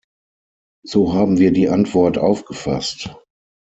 So haben wir die Antwort aufgefasst.